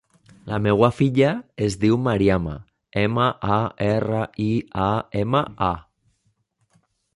La meva filla es diu Mariama: ema, a, erra, i, a, ema, a.